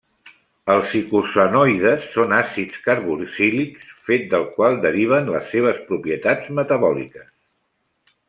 Els icosanoides són àcids carboxílics, fet del qual deriven les seves propietats metabòliques.